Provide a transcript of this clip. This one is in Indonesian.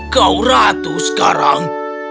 kau ratu sekarang